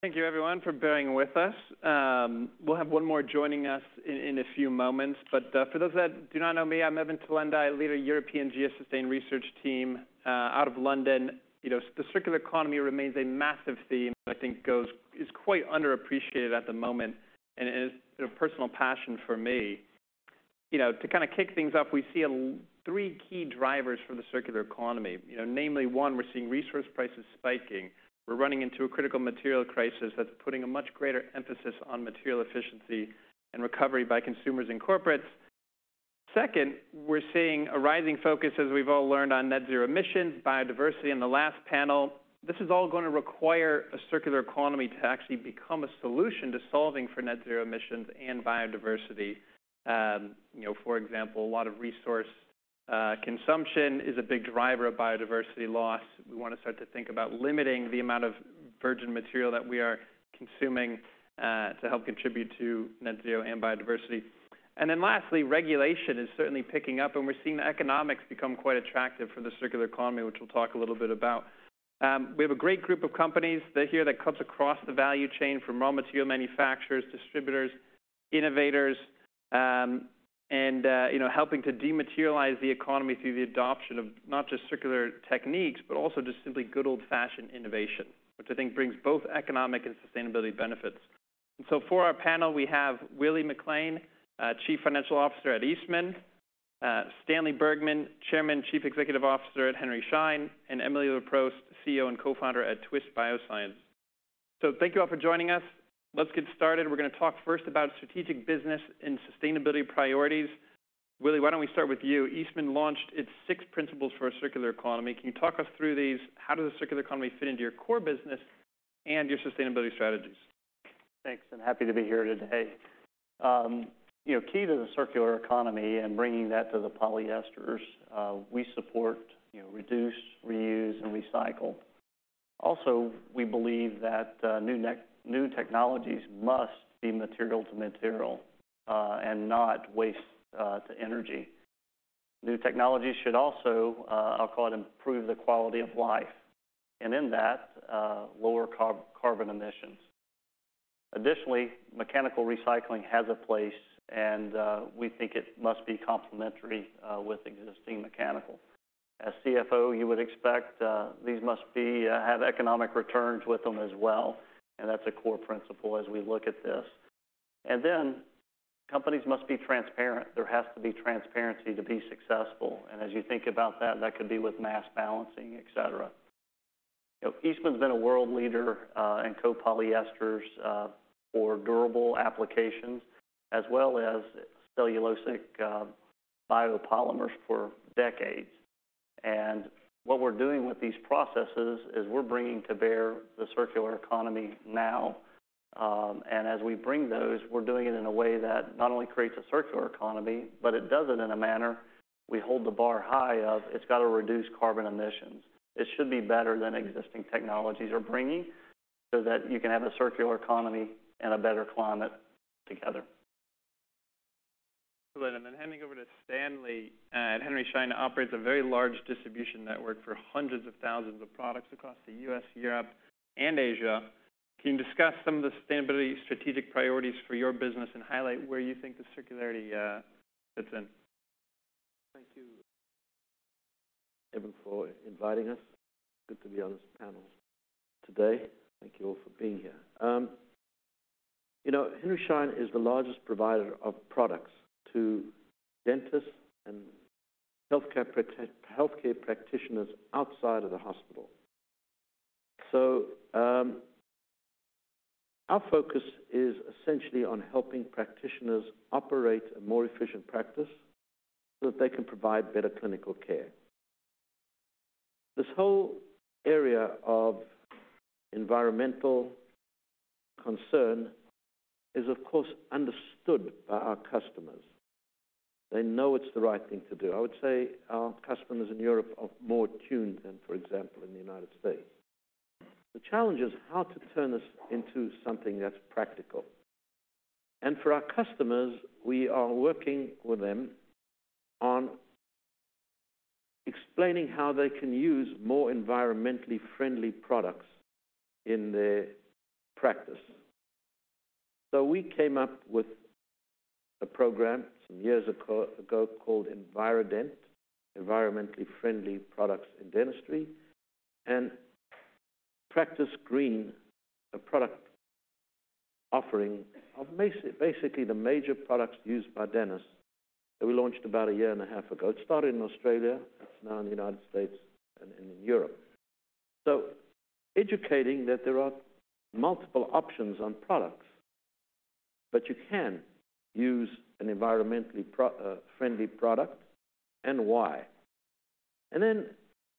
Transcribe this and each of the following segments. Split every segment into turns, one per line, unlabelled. Thank you everyone for bearing with us. We'll have one more joining us in a few moments, but for those that do not know me, I'm Evan Tylenda. I lead a European GS SUSTAIN research team out of London. You know, the circular economy remains a massive theme, I think is quite underappreciated at the moment and is a personal passion for me. You know, to kind of kick things off, we see three key drivers for the circular economy. You know, namely, one, we're seeing resource prices spiking. We're running into a critical material crisis that's putting a much greater emphasis on material efficiency and recovery by consumers and corporates. Second, we're seeing a rising focus, as we've all learned, on net zero emissions, biodiversity in the last panel. This is all going to require a circular economy to actually become a solution to solving for net zero emissions and biodiversity. You know, for example, a lot of resource consumption is a big driver of biodiversity loss. We want to start to think about limiting the amount of virgin material that we are consuming to help contribute to net zero and biodiversity. And then lastly, regulation is certainly picking up, and we're seeing the economics become quite attractive for the circular economy, which we'll talk a little bit about. We have a great group of companies. They're here that cuts across the value chain from raw material manufacturers, distributors, innovators, and you know, helping to dematerialize the economy through the adoption of not just circular techniques, but also just simply good old-fashioned innovation, which I think brings both economic and sustainability benefits. So for our panel, we have Willie McLain, Chief Financial Officer at Eastman, Stanley Bergman, Chairman, Chief Executive Officer at Henry Schein, and Emily Leproust, CEO and Co-founder at Twist Bioscience. So thank you all for joining us. Let's get started. We're going to talk first about strategic business and sustainability priorities. Willie, why don't we start with you? Eastman launched its six principles for a circular economy. Can you talk us through these? How does the circular economy fit into your core business and your sustainability strategies?
Thanks, and happy to be here today. You know, key to the circular economy and bringing that to the polyesters, we support, you know, reduce, reuse, and recycle. Also, we believe that new technologies must be material to material, and not waste to energy. New technologies should also, I'll call it, improve the quality of life, and in that, lower carbon emissions. Additionally, mechanical recycling has a place, and we think it must be complementary with existing mechanical. As CFO, you would expect, these must have economic returns with them as well, and that's a core principle as we look at this. And then companies must be transparent. There has to be transparency to be successful. And as you think about that, that could be with mass balancing, et cetera. You know, Eastman's been a world leader in co-polyesters for durable applications, as well as cellulosic biopolymers for decades. And what we're doing with these processes is we're bringing to bear the circular economy now, and as we bring those, we're doing it in a way that not only creates a circular economy, but it does it in a manner we hold the bar high of it's got to reduce carbon emissions. It should be better than existing technologies are bringing so that you can have a circular economy and a better climate together.
Then handing over to Stanley, Henry Schein operates a very large distribution network for hundreds of thousands of products across the U.S., Europe, and Asia. Can you discuss some of the sustainability strategic priorities for your business and highlight where you think the circularity fits in?
Thank you, Evan, for inviting us. Good to be on this panel today. Thank you all for being here. You know, Henry Schein is the largest provider of products to dentists and healthcare practitioners outside of the hospital. So, our focus is essentially on helping practitioners operate a more efficient practice so that they can provide better clinical care. This whole area of environmental concern is, of course, understood by our customers. They know it's the right thing to do. I would say our customers in Europe are more tuned than, for example, in the United States. The challenge is how to turn this into something that's practical. And for our customers, we are working with them on explaining how they can use more environmentally friendly products in their practice. So we came up with a program some years ago called EnviroDent, environmentally friendly products in dentistry, and Practice Green, a product offering of basically the major products used by dentists that we launched about a year and a half ago. It started in Australia, now in the United States and in Europe. So educating that there are multiple options on products, but you can use an environmentally friendly product and why. And then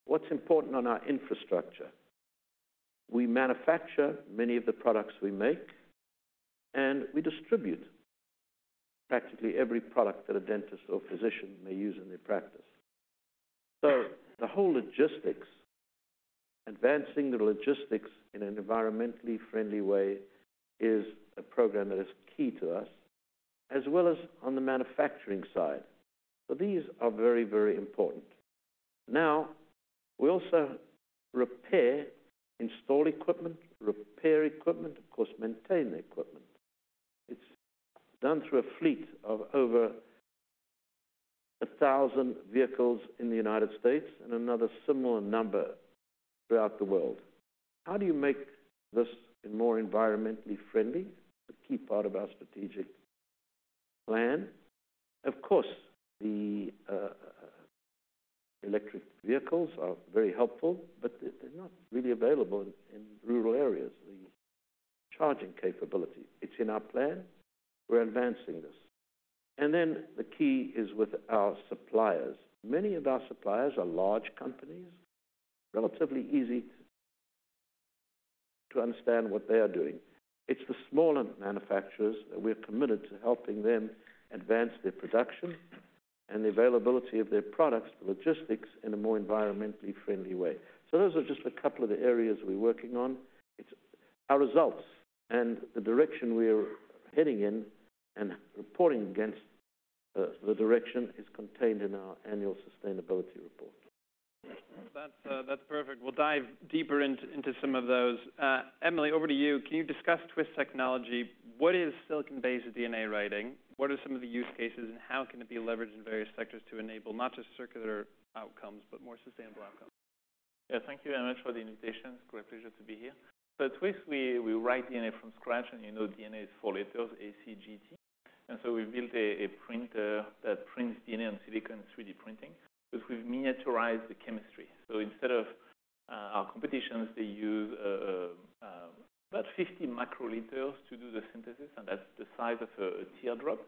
what's important on our infrastructure? We manufacture many of the products we make, and we distribute practically every product that a dentist or physician may use in their practice. So the whole logistics, advancing the logistics in an environmentally friendly way, is a program that is key to us, as well as on the manufacturing side. So these are very, very important. Now, we also repair, install equipment, repair equipment, of course, maintain the equipment. It's done through a fleet of over 1,000 vehicles in the United States and another similar number throughout the world. How do you make this more environmentally friendly? A key part of our strategic plan. Of course, the electric vehicles are very helpful, but they're not really available in rural areas, the charging capability. It's in our plan. We're advancing this. And then the key is with our suppliers. Many of our suppliers are large companies, relatively easy to understand what they are doing. It's the smaller manufacturers that we're committed to helping them advance their production and the availability of their products, logistics, in a more environmentally friendly way. So those are just a couple of the areas we're working on. It's our results and the direction we are heading in and reporting against. The direction is contained in our annual sustainability report.
That's, that's perfect. We'll dive deeper into some of those. Emily, over to you. Can you discuss Twist technology? What is silicon-based DNA writing? What are some of the use cases, and how can it be leveraged in various sectors to enable not just circular outcomes, but more sustainable outcomes?
Yeah, thank you very much for the invitation. Great pleasure to be here. So at Twist, we write DNA from scratch, and you know DNA is four letters, ACGT. And so we built a printer that prints DNA on silicon 3D printing, because we've miniaturized the chemistry. So instead of our competitors, they use about 50 microliters to do the synthesis, and that's the size of a teardrop.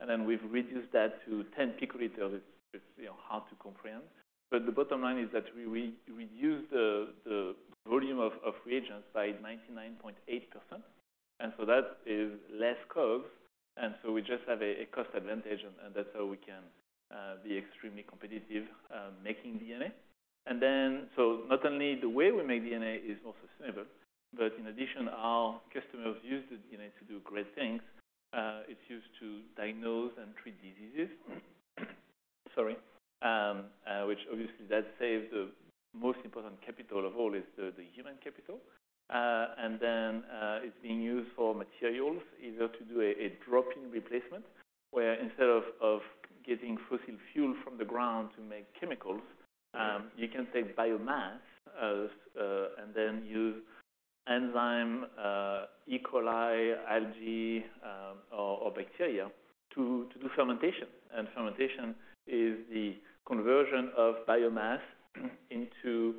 And then we've reduced that to 10 picoliters. It's, you know, hard to comprehend. But the bottom line is that we reduce the volume of reagents by 99.8%, and so that is less COGS, and so we just have a cost advantage, and that's how we can be extremely competitive making DNA. Not only the way we make DNA is more sustainable, but in addition, our customers use the DNA to do great things. It's used to diagnose and treat diseases, sorry, which obviously that saves the most important capital of all, is the human capital. And then, it's being used for materials, either to do a drop-in replacement, where instead of getting fossil fuel from the ground to make chemicals, you can take biomass as and then use enzyme, E. coli, algae, or bacteria to do fermentation. And fermentation is the conversion of biomass into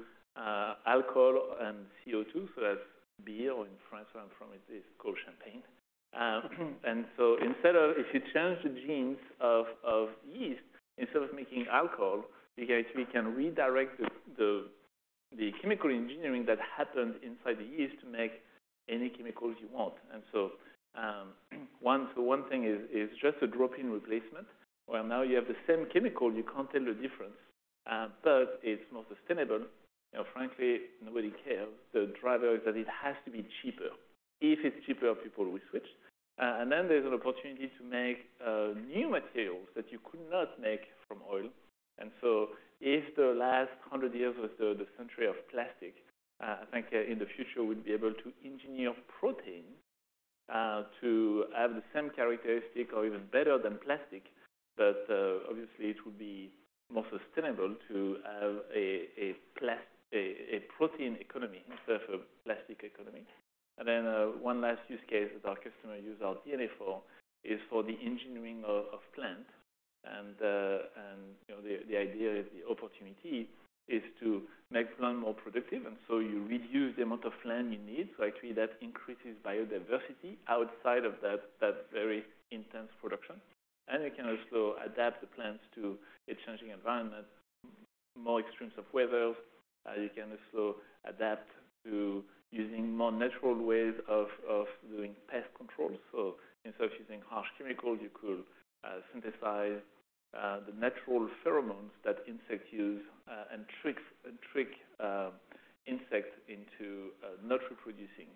alcohol and CO2, so that's beer, or in France, where I'm from, it is called champagne. And so instead of... If you change the genes of yeast, instead of making alcohol, you guys, we can redirect the chemical engineering that happened inside the yeast to make any chemicals you want. And so, one thing is just a drop-in replacement, where now you have the same chemical, you can't tell the difference, and third, it's more sustainable. You know, frankly, nobody cares. The driver is that it has to be cheaper. If it's cheaper, people will switch. And then there's an opportunity to make new materials that you could not make from oil. And so if the last hundred years was the century of plastic, I think in the future, we'll be able to engineer protein to have the same characteristic or even better than plastic. But, obviously, it will be more sustainable to have a protein economy instead of a plastic economy. And then, one last use case that our customer use our DNA for is for the engineering of plants. And, you know, the idea is the opportunity is to make plant more productive, and so you reduce the amount of land you need. So actually, that increases biodiversity outside of that very intense production. And you can also adapt the plants to a changing environment, more extremes of weather. You can also adapt to using more natural ways of doing pest control. So instead of using harsh chemicals, you could synthesize the natural pheromones that insects use and trick insects into not reproducing.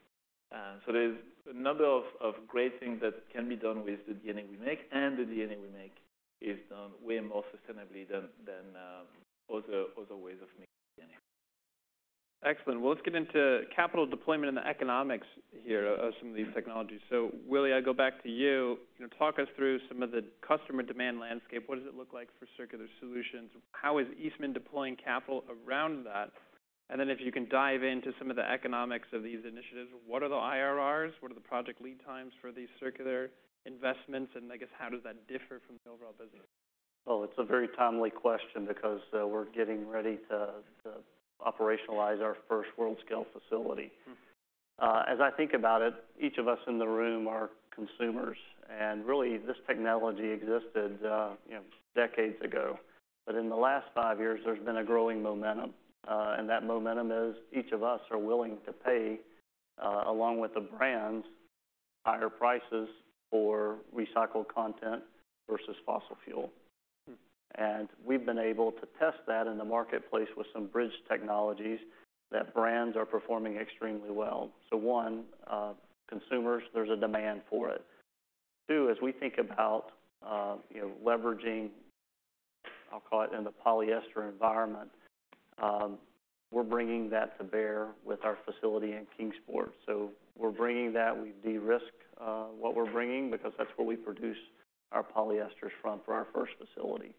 So there's a number of great things that can be done with the DNA we make, and the DNA we make is done way more sustainably than other ways of making DNA.
Excellent. Well, let's get into capital deployment and the economics here of some of these technologies. So Willie, I go back to you. You know, talk us through some of the customer demand landscape. What does it look like for circular solutions? How is Eastman deploying capital around that? And then if you can dive into some of the economics of these initiatives, what are the IRRs? What are the project lead times for these circular investments? And I guess, how does that differ from the overall business?
Well, it's a very timely question because we're getting ready to, to operationalize our first world-scale facility. As I think about it, each of us in the room are consumers, and really, this technology existed, you know, decades ago. But in the last five years, there's been a growing momentum, and that momentum is each of us are willing to pay, along with the brands, higher prices for recycled content versus fossil fuel.
Mm-hmm.
And we've been able to test that in the marketplace with some bridge technologies that brands are performing extremely well. So one, consumers, there's a demand for it. Two, as we think about, you know, leveraging, I'll call it in the polyester environment, we're bringing that to bear with our facility in Kingsport. So we're bringing that. We de-risk what we're bringing, because that's where we produce our polyesters from for our first facility.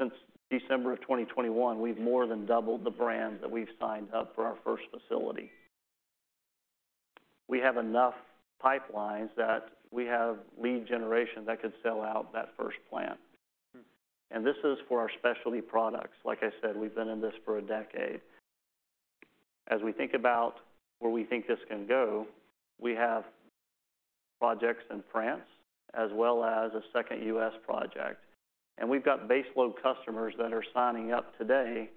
Since December of 2021, we've more than doubled the brands that we've signed up for our first facility. We have enough pipelines that we have lead generation that could sell out that first plant. And this is for our specialty products. Like I said, we've been in this for a decade. As we think about where we think this can go, we have projects in France as well as a second U.S. project, and we've got baseload customers that are signing up today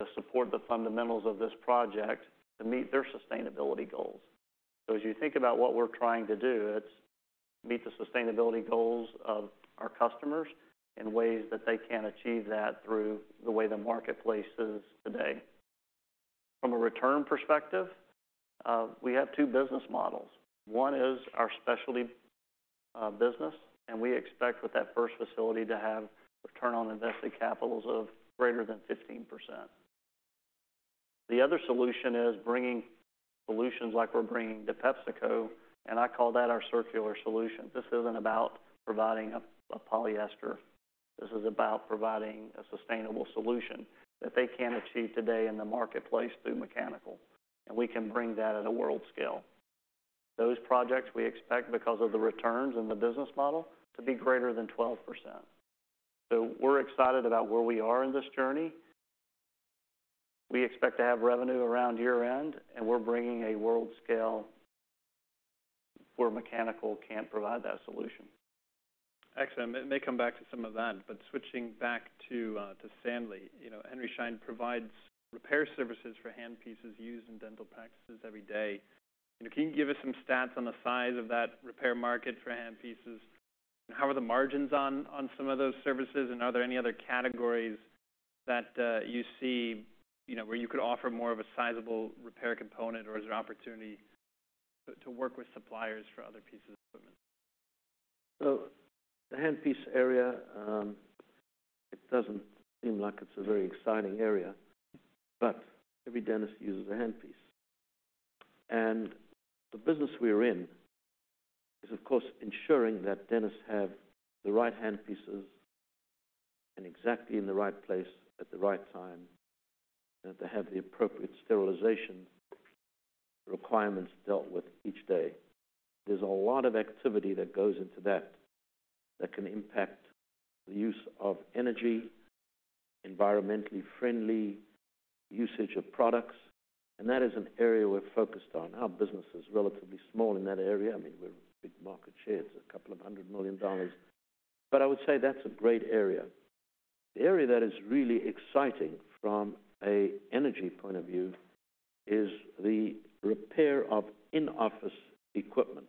to support the fundamentals of this project to meet their sustainability goals. So as you think about what we're trying to do, it's meet the sustainability goals of our customers in ways that they can achieve that through the way the marketplace is today. From a return perspective, we have two business models. One is our specialty business, and we expect with that first facility to have return on invested capitals of greater than 15%. The other solution is bringing solutions like we're bringing to PepsiCo, and I call that our circular solution. This isn't about providing a, a polyester. This is about providing a sustainable solution that they can achieve today in the marketplace through mechanical, and we can bring that at a world scale. Those projects we expect, because of the returns and the business model, to be greater than 12%. So we're excited about where we are in this journey. We expect to have revenue around year-end, and we're bringing a world scale where mechanical can't provide that solution.
Excellent. May come back to some of that. But switching back to Stanley, you know, Henry Schein provides repair services for handpieces used in dental practices every day. Can you give us some stats on the size of that repair market for handpieces? How are the margins on some of those services, and are there any other categories that you see, you know, where you could offer more of a sizable repair component, or is there opportunity to work with suppliers for other pieces of equipment?
So the handpiece area, it doesn't seem like it's a very exciting area, but every dentist uses a handpiece. And the business we are in is, of course, ensuring that dentists have the right handpieces and exactly in the right place at the right time, and to have the appropriate sterilization requirements dealt with each day. There's a lot of activity that goes into that, that can impact the use of energy, environmentally friendly usage of products, and that is an area we're focused on. Our business is relatively small in that area. I mean, we're a big market share. It's $200 million, but I would say that's a great area. The area that is really exciting from a energy point of view is the repair of in-office equipment.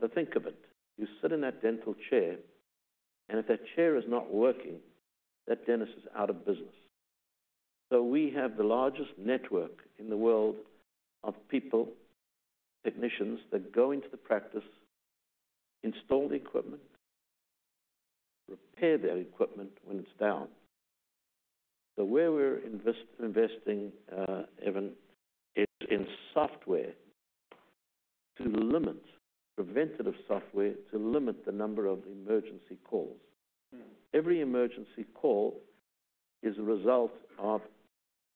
So think of it. You sit in that dental chair, and if that chair is not working, that dentist is out of business. So we have the largest network in the world of people, technicians, that go into the practice, install the equipment, repair their equipment when it's down. So where we're investing, Evan, is in software to limit, preventative software, to limit the number of emergency calls.
Mm-hmm.
Every emergency call is a result of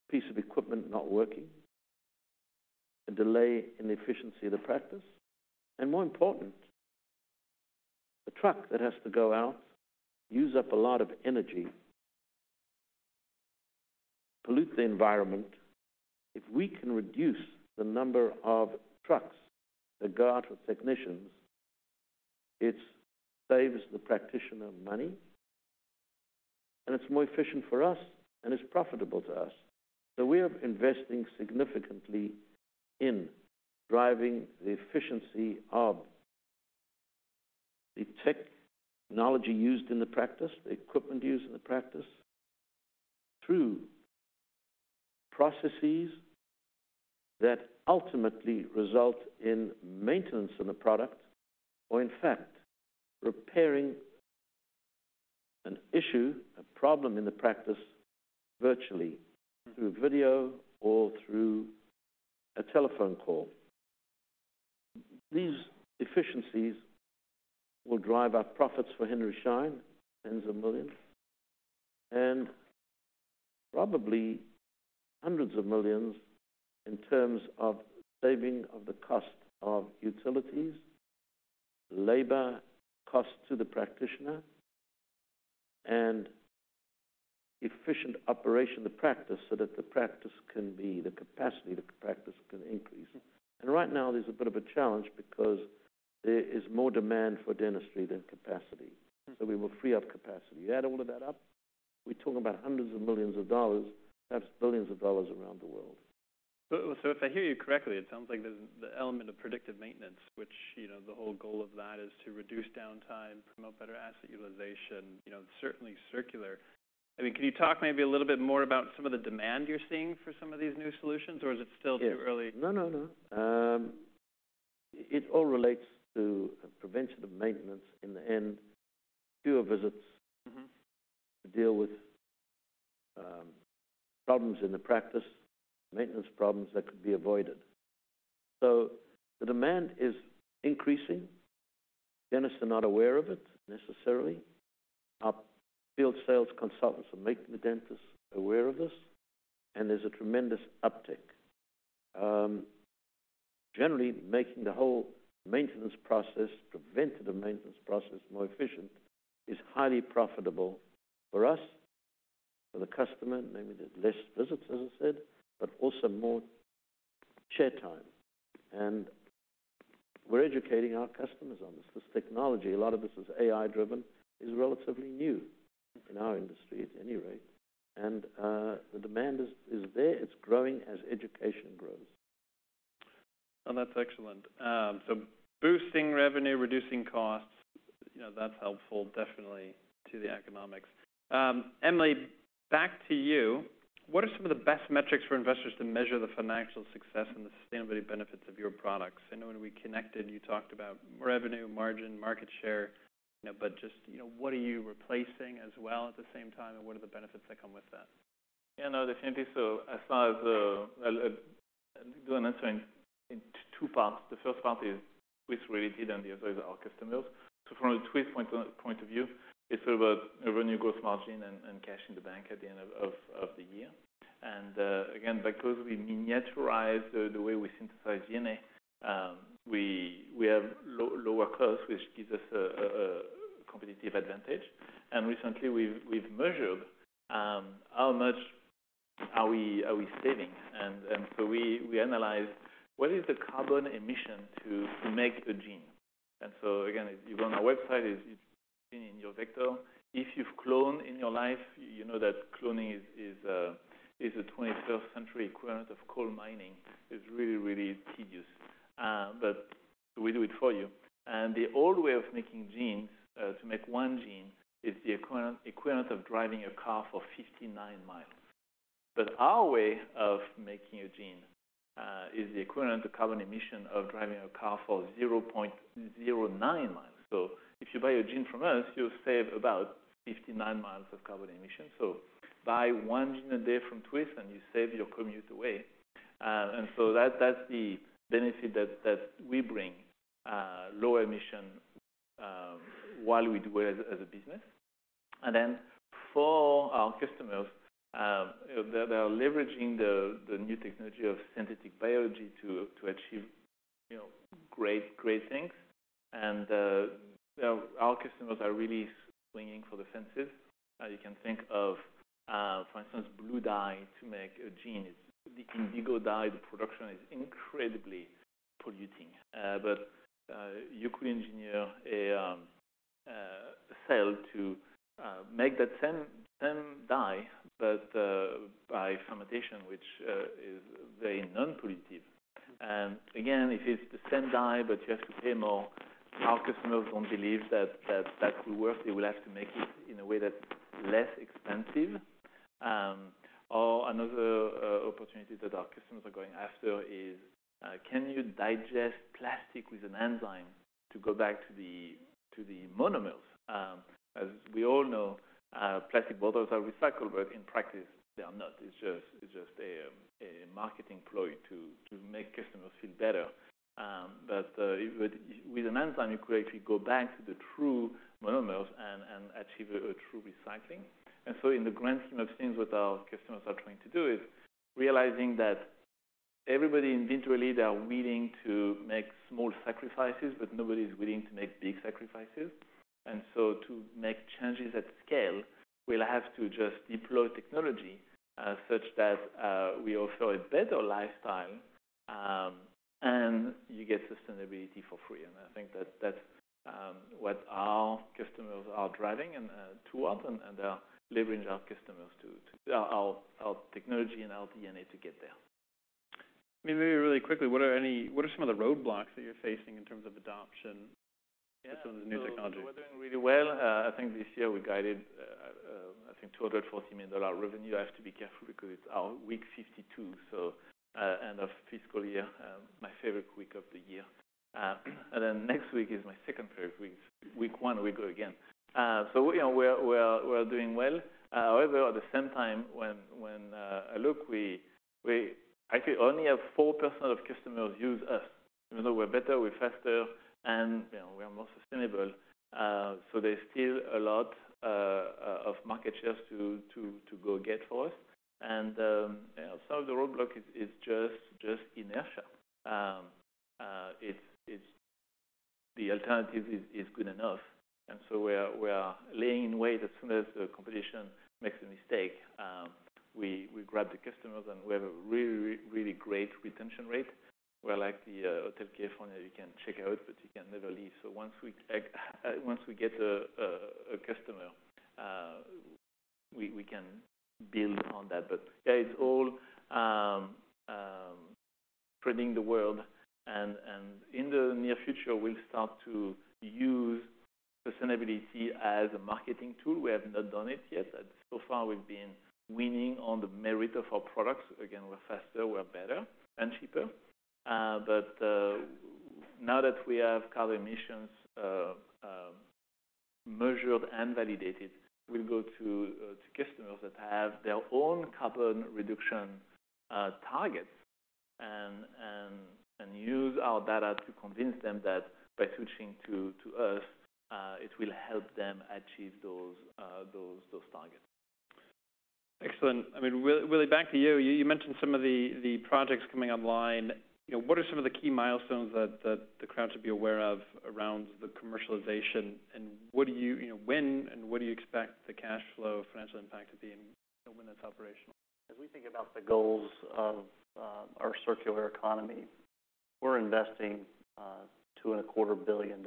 a piece of equipment not working, a delay in the efficiency of the practice, and more important, a truck that has to go out, use up a lot of energy, pollute the environment. If we can reduce the number of trucks that go out with technicians, it saves the practitioner money, and it's more efficient for us, and it's profitable to us. We are investing significantly in driving the efficiency of the technology used in the practice, the equipment used in the practice, through processes that ultimately result in maintenance of the product, or in fact, repairing an issue, a problem in the practice, virtually through video or through a telephone call. These efficiencies will drive our profits for Henry Schein, tens of millions, and probably hundreds of millions in terms of saving of the cost of utilities, labor costs to the practitioner, and efficient operation of the practice, so that the capacity of the practice can increase.
Mm-hmm.
Right now, there's a bit of a challenge because there is more demand for dentistry than capacity.
Mm-hmm.
We will free up capacity. You add all of that up, we're talking about hundreds of millions of dollars, perhaps billions of dollars around the world.
So, if I hear you correctly, it sounds like there's the element of predictive maintenance, which, you know, the whole goal of that is to reduce downtime, promote better asset utilization. You know, certainly circular.... I mean, can you talk maybe a little bit more about some of the demand you're seeing for some of these new solutions, or is it still too early?
No, no, no. It all relates to preventive maintenance. In the end, fewer visits-
Mm-hmm.
To deal with problems in the practice, maintenance problems that could be avoided. So the demand is increasing. Dentists are not aware of it necessarily. Our field sales consultants are making the dentists aware of this, and there's a tremendous uptick. Generally, making the whole maintenance process, preventive maintenance process, more efficient is highly profitable for us, for the customer. Maybe there's less visits, as I said, but also more chair time, and we're educating our customers on this. This technology, a lot of this is AI-driven, is relatively new in our industry at any rate, and the demand is there. It's growing as education grows.
That's excellent. So boosting revenue, reducing costs, you know, that's helpful definitely to the economics. Emily, back to you. What are some of the best metrics for investors to measure the financial success and the sustainability benefits of your products? I know when we connected, you talked about revenue, margin, market share, you know, but just, you know, what are you replacing as well at the same time, and what are the benefits that come with that?
Yeah, no, definitely. So as far as the, I'll do an answer in two parts. The first part is with related, and the other is our customers. So from a Twist point of view, it's about revenue, growth, margin, and cash in the bank at the end of the year. And again, because we miniaturize the way we synthesize DNA, we have lower costs, which gives us a competitive advantage. And recently we've measured how much are we saving? And so we analyze what is the carbon emission to make the gene. And so again, if you go on our website, it's in your vector. If you've cloned in your life, you know that cloning is a 21st century equivalent of coal mining. It's really, really tedious, but we do it for you. The old way of making genes to make one gene is the equivalent of driving a car for 59 miles. But our way of making a gene is the equivalent to carbon emission of driving a car for 0.09 miles. So if you buy a gene from us, you save about 59 miles of carbon emission. So buy one gene a day from Twist, and you save your commute away. And so that's the benefit that we bring, low emission while we do it as a business. And then for our customers, they are leveraging the new technology of synthetic biology to achieve, you know, great, great things. And our customers are really swinging for the fences. You can think of, for instance, blue dye to make a jean. It's the indigo dye. The production is incredibly polluting. But you could engineer a cell to make that same, same dye, but by fermentation, which is very non-pollutive. And again, it is the same dye, but you have to pay more. Our customers don't believe that, that, that will work. They will have to make it in a way that's less expensive. Or another opportunity that our customers are going after is, can you digest plastic with an enzyme to go back to the, to the monomers? As we all know, plastic bottles are recycled, but in practice, they are not. It's just, it's just a marketing ploy to make customers feel better. But with an enzyme, you could actually go back to the true monomers and achieve a true recycling. And so in the grand scheme of things, what our customers are trying to do is realizing that everybody individually, they are willing to make small sacrifices, but nobody is willing to make big sacrifices. And so to make changes at scale, we'll have to just deploy technology such that we offer a better lifestyle, and you get sustainability for free. And I think that that's what our customers are driving towards, and they are leveraging our technology and our DNA to get there.
Maybe really quickly, what are some of the roadblocks that you're facing in terms of adoption of some of the new technology?
We're doing really well. I think this year we guided, I think $240 million revenue. I have to be careful because it's our week 52, so, end of fiscal year, my favorite week of the year. And then next week is my second favorite week, week one, we go again. So, you know, we're doing well. However, at the same time, when I look, we actually only have 4% of customers use us, even though we're better, we're faster, and, you know, we are more sustainable. So there's still a lot of market shares to go get for us. You know, some of the roadblock is just inertia. It's the alternative is good enough, and so we are laying in wait. As soon as the competition makes a mistake, we grab the customers, and we have a really, really, really great retention rate. We're like the hotel concierge. You can check out, but you can never leave. So once we get a customer, we can build on that. But yeah, it's all spreading the world, and in the near future, we'll start to use sustainability as a marketing tool. We have not done it yet, and so far we've been winning on the merit of our products. Again, we're faster, we're better and cheaper. But, now that we have carbon emissions measured and validated, we'll go to customers that have their own carbon reduction targets and use our data to convince them that by switching to us, it will help them achieve those targets.
Excellent. I mean, Willie, back to you. You mentioned some of the projects coming online. You know, what are some of the key milestones that the crowd should be aware of around the commercialization, and what do you, you know—when and what do you expect the cash flow financial impact to be in, you know, when it's operational?
As we think about the goals of our circular economy, we're investing $2.25 billion,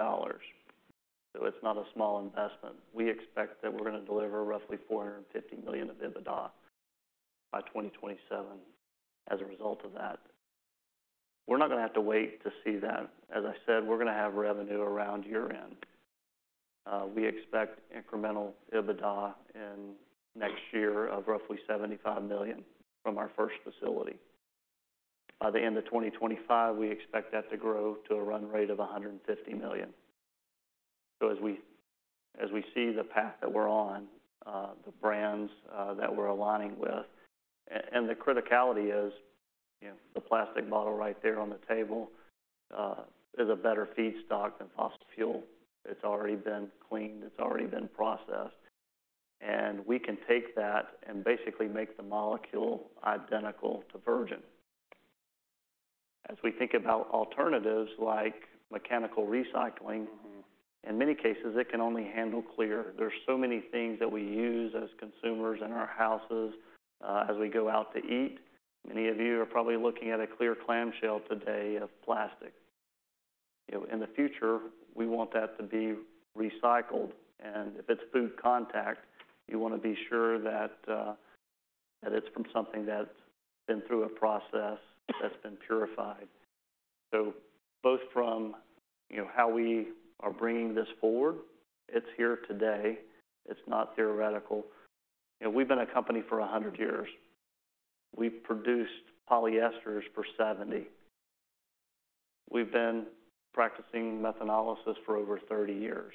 so it's not a small investment. We expect that we're going to deliver roughly $450 million of EBITDA by 2027 as a result of that. We're not going to have to wait to see that. As I said, we're going to have revenue around year-end. We expect incremental EBITDA in next year of roughly $75 million from our first facility. By the end of 2025, we expect that to grow to a run rate of $150 million. So as we see the path that we're on, the brands that we're aligning with... And the criticality is, you know, the plastic bottle right there on the table is a better feedstock than fossil fuel. It's already been cleaned, it's already been processed, and we can take that and basically make the molecule identical to virgin. As we think about alternatives like mechanical recycling, in many cases, it can only handle clear. There are so many things that we use as consumers in our houses, as we go out to eat. Many of you are probably looking at a clear clamshell today of plastic. You know, in the future, we want that to be recycled, and if it's food contact, you want to be sure that that it's from something that's been through a process that's been purified. So both from, you know, how we are bringing this forward, it's here today, it's not theoretical. You know, we've been a company for 100 years. We've produced polyesters for 70. We've been practicing methanolysis for over 30 years,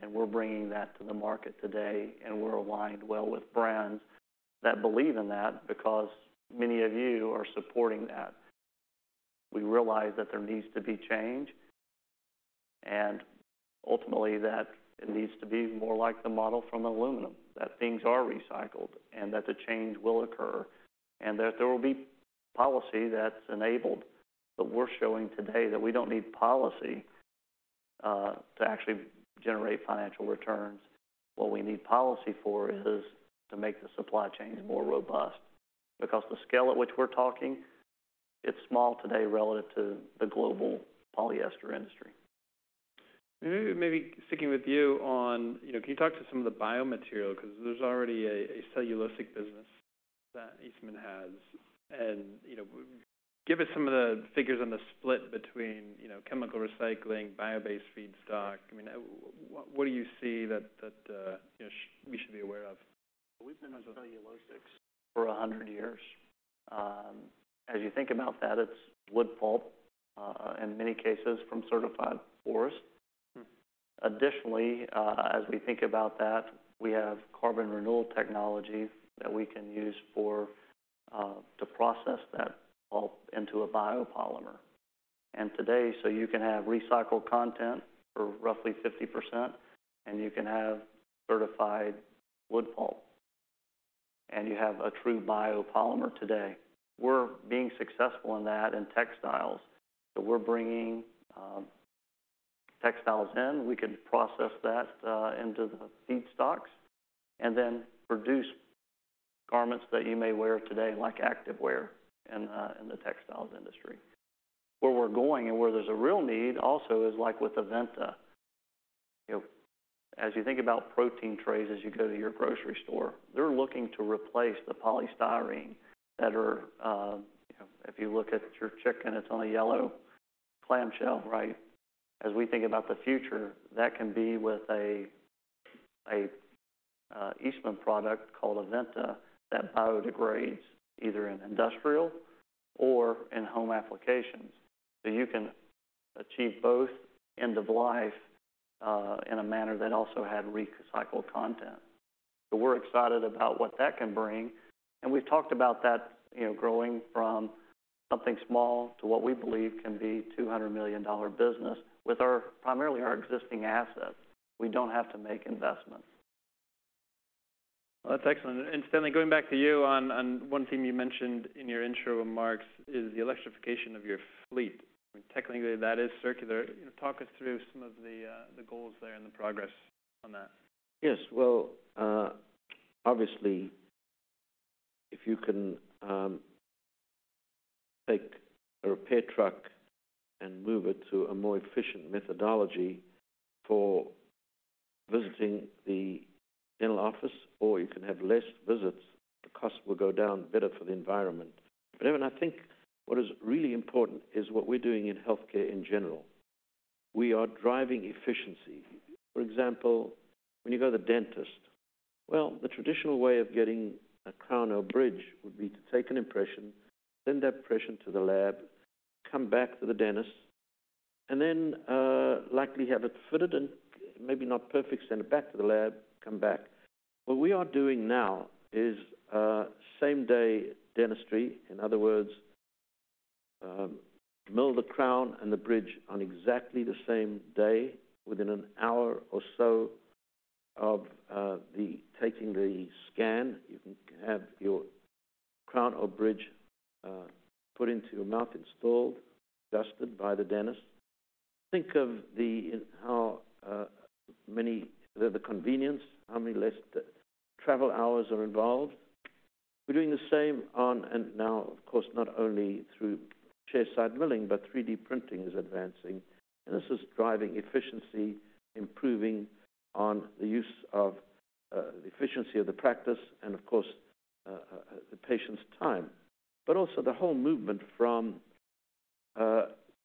and we're bringing that to the market today, and we're aligned well with brands that believe in that, because many of you are supporting that. We realize that there needs to be change, and ultimately, that it needs to be more like the model from aluminum, that things are recycled and that the change will occur, and that there will be policy that's enabled. But we're showing today that we don't need policy to actually generate financial returns. What we need policy for is to make the supply chains more robust, because the scale at which we're talking, it's small today relative to the global polyester industry.
Maybe, maybe sticking with you on... You know, can you talk to some of the biomaterial? Because there's already a cellulosic business that Eastman has, and, you know, give us some of the figures on the split between, you know, chemical recycling, bio-based feedstock. I mean, what do you see that we should be aware of?
We've been in cellulosic for 100 years. As you think about that, it's wood pulp, in many cases from certified forests.
Mm-hmm.
Additionally, as we think about that, we have Carbon Renewal Technology that we can use to process that pulp into a biopolymer. And today, so you can have recycled content for roughly 50%, and you can have certified wood pulp, and you have a true biopolymer today. We're being successful in that in textiles, so we're bringing textiles in. We could process that into the feedstocks, and then produce garments that you may wear today, like activewear, in the textiles industry. Where we're going and where there's a real need also is like with Aventa. You know, as you think about protein trays, as you go to your grocery store, they're looking to replace the polystyrene that are, you know—if you look at your chicken, it's on a yellow clamshell, right? As we think about the future, that can be with a Eastman product called Aventa, that biodegrades either in industrial or in home applications. So you can achieve both end of life in a manner that also had recycled content. So we're excited about what that can bring, and we've talked about that, you know, growing from something small to what we believe can be $200 million dollar business with primarily our existing assets. We don't have to make investments.
Well, that's excellent. And Stanley, going back to you on one thing you mentioned in your intro remarks, is the electrification of your fleet. Technically, that is circular. Talk us through some of the goals there and the progress on that.
Yes. Well, obviously, if you can take a repair truck and move it to a more efficient methodology for-...visiting the dental office, or you can have less visits, the cost will go down, better for the environment. But, Evan, I think what is really important is what we're doing in healthcare in general. We are driving efficiency. For example, when you go to the dentist, well, the traditional way of getting a crown or bridge would be to take an impression, send that impression to the lab, come back to the dentist, and then, likely have it fitted and maybe not perfect, send it back to the lab, come back. What we are doing now is, same-day dentistry. In other words, mill the crown and the bridge on exactly the same day. Within an hour or so of, the taking the scan, you can have your crown or bridge, put into your mouth, installed, adjusted by the dentist. Think of the convenience, how many less travel hours are involved. We're doing the same on, and now, of course, not only through chairside milling, but 3D printing is advancing. This is driving efficiency, improving on the use of the efficiency of the practice and, of course, the patient's time, but also the whole movement from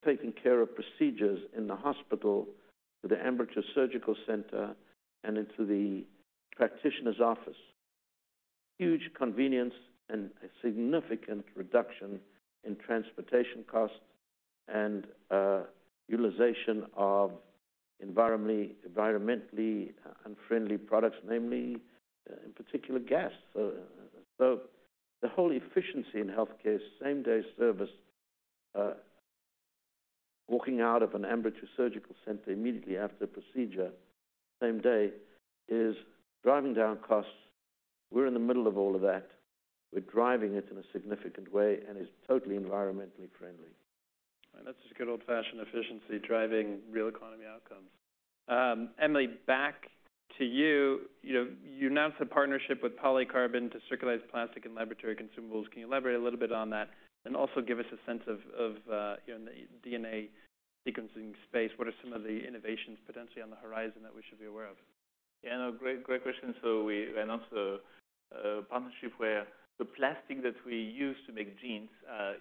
taking care of procedures in the hospital to the ambulatory surgical center and into the practitioner's office. Huge convenience and a significant reduction in transportation costs and utilization of environmentally unfriendly products, namely, in particular, gas. So the whole efficiency in healthcare, same-day service, walking out of an ambulatory surgical center immediately after the procedure, same day, is driving down costs. We're in the middle of all of that. We're driving it in a significant way, and it's totally environmentally friendly.
That's just good old-fashioned efficiency, driving real economy outcomes. Emily, back to you. You know, you announced a partnership with Polycarbin to circularize plastic and laboratory consumables. Can you elaborate a little bit on that and also give us a sense of, you know, the DNA sequencing space? What are some of the innovations potentially on the horizon that we should be aware of?
Yeah, no, great, great question. So we announced a partnership where the plastic that we use to make genes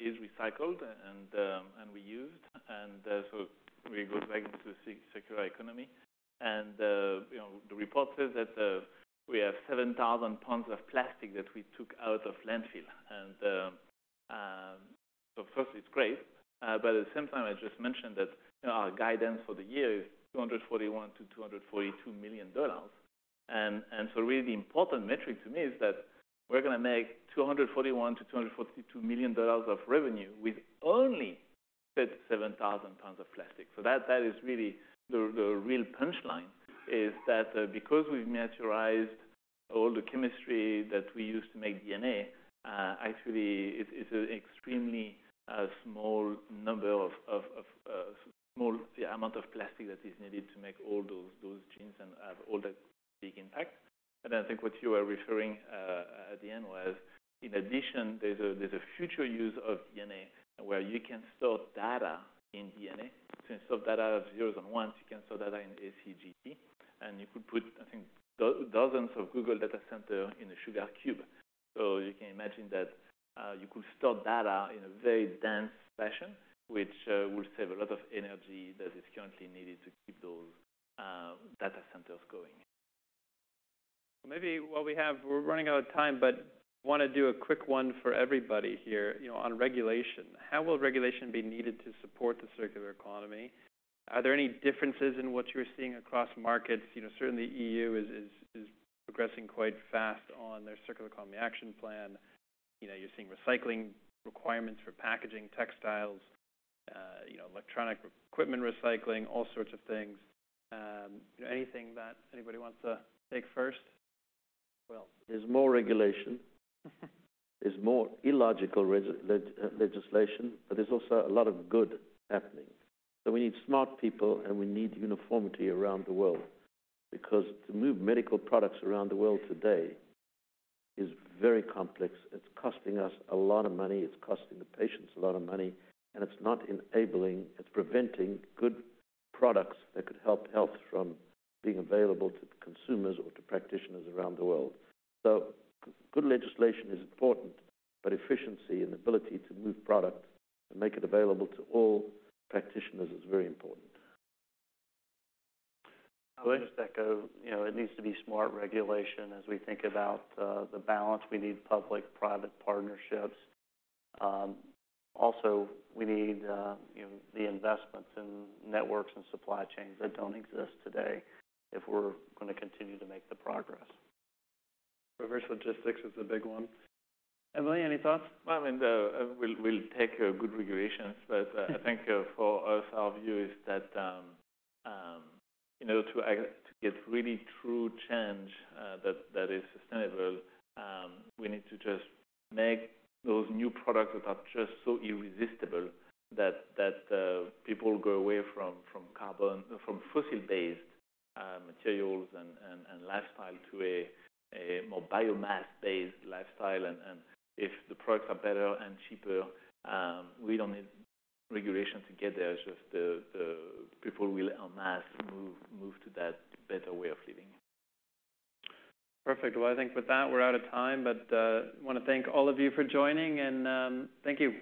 is recycled and reused. And so we go back into the circular economy. And you know, the report says that we have 7,000 lbs of plastic that we took out of landfill. And so first it's great, but at the same time, I just mentioned that you know, our guidance for the year is $241 million-$242 million. And so really the important metric to me is that we're gonna make $241 million-$242 million of revenue with only 7,000 lbs of plastic. So that, that is really the, the real punchline, is that, because we've matured all the chemistry that we use to make DNA, actually it's, it's an extremely, small number of, of, of, small amount of plastic that is needed to make all those, those genes and have all that big impact. And I think what you are referring at the end was, in addition, there's a, there's a future use of DNA where you can store data in DNA. So instead of data as zeros and ones, you can store data in ACGT, and you could put, I think, dozens of Google data center in a sugar cube. So you can imagine that, you could store data in a very dense fashion, which, would save a lot of energy that is currently needed to keep those, data centers going.
Maybe what we have. We're running out of time, but want to do a quick one for everybody here, you know, on regulation. How will regulation be needed to support the Circular Economy? Are there any differences in what you're seeing across markets? You know, certainly EU is progressing quite fast on their Circular Economy Action Plan. You know, you're seeing recycling requirements for packaging, textiles, you know, electronic equipment recycling, all sorts of things. Anything that anybody wants to take first?
Well, there's more regulation. There's more illogical legislation, but there's also a lot of good happening. So we need smart people, and we need uniformity around the world, because to move medical products around the world today is very complex. It's costing us a lot of money, it's costing the patients a lot of money, and it's not enabling... It's preventing good products that could help health from being available to consumers or to practitioners around the world. So good legislation is important, but efficiency and ability to move product and make it available to all practitioners is very important.
Go ahead.
I'll just echo. You know, it needs to be smart regulation. As we think about the balance, we need public-private partnerships. Also, we need, you know, the investments in networks and supply chains that don't exist today if we're gonna continue to make the progress. Reverse logistics is a big one.
Emily, any thoughts?
Well, I mean, we'll take your good regulations, but I think for us, our view is that, you know, to get really true change, that is sustainable, we need to just make those new products that are just so irresistible that people go away from carbon, from fossil-based materials and lifestyle to a more biomass-based lifestyle. And if the products are better and cheaper, we don't need regulation to get there. It's just the people will en masse move to that better way of living.
Perfect. Well, I think with that, we're out of time, but, I want to thank all of you for joining, and, thank you.